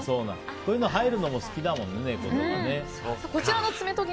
こういうの入るのも好きだもんね、猫とか。